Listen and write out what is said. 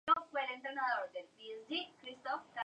Inicialmente fue recluido en un penal de máxima seguridad.